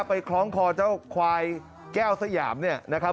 คล้องคอเจ้าควายแก้วสยามเนี่ยนะครับ